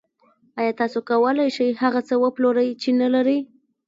آیا تاسو کولی شئ هغه څه وپلورئ چې نلرئ